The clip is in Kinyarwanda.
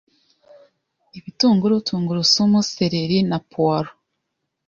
ibitunguru, tungurusumu, celery, na puwalo,